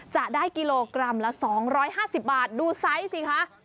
จะได้กิโลกรัมละ๒๕๐บาทดูไซส์สิคะ